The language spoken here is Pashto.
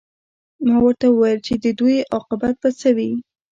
ما ورته وویل چې د دوی عاقبت به څه وي